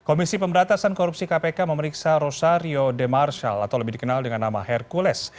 komisi pemberatasan korupsi kpk memeriksa rosario demarsyal atau lebih dikenal dengan nama hercules